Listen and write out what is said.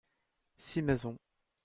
six maisons.